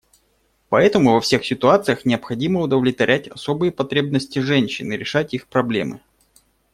Поэтому во всех ситуациях необходимо удовлетворять особые потребности женщин и решать их проблемы.